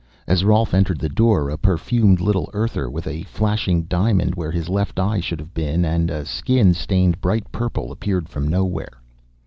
As Rolf entered the door, a perfumed little Earther with a flashing diamond where his left eye should have been and a skin stained bright purple appeared from nowhere.